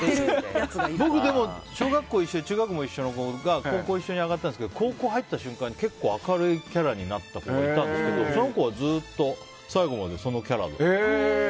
僕、でも小学校一緒で中学校一緒の子が高校、一緒に上がったんですけど高校上がった瞬間に結構明るいキャラになった子がいたんですけどその子はずっと最後までそのキャラで。